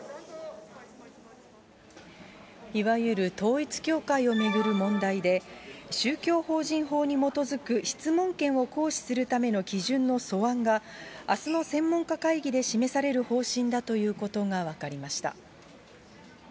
いわゆる統一教会を巡る問題で、宗教法人法に基づく質問権を行使するための基準の素案が、あすの専門家会議で示される方針だということが分かりました。